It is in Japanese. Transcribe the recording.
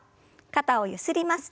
肩をゆすります。